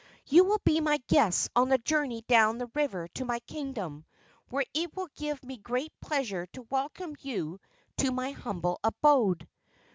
"You will be my guests on the journey down the river to my Kingdom where it will give me great pleasure to welcome you to my humble abode."